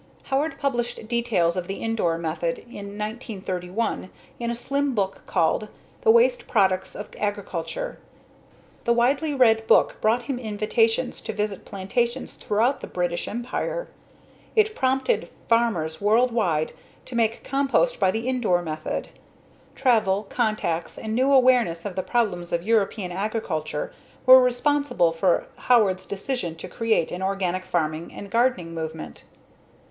Howard published details of the Indore method in 1931 in a slim book called _The Waste Products of Agriculture. _The widely read book brought him invitations to visit plantations throughout the British Empire. It prompted farmers world wide to make compost by the Indore method. Travel, contacts, and new awareness of the problems of European agriculture were responsible for Howard's decision to create an organic farming and gardening movement.